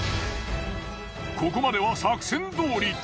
ここまでは作戦どおり。